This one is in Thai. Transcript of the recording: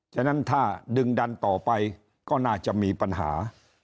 ฉะนั้นถ้าดึงดันต่อไปก็น่าจะมีปัญหา